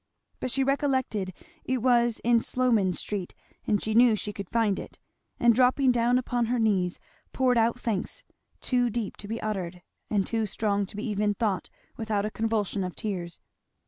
But she recollected it was in Sloman street and she knew she could find it; and dropping upon her knees poured out thanks too deep to be uttered and too strong to be even thought without a convulsion of tears.